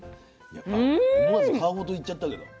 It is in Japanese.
やっぱ思わず皮ごといっちゃったけど。